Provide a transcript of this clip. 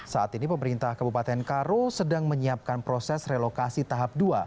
saat ini pemerintah kabupaten karo sedang menyiapkan proses relokasi tahap dua